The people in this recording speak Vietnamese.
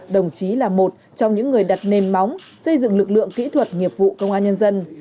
đồng chí là một trong những người đặt nền móng xây dựng lực lượng kỹ thuật nghiệp vụ công an nhân dân